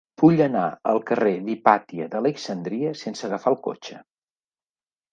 Vull anar al carrer d'Hipàtia d'Alexandria sense agafar el cotxe.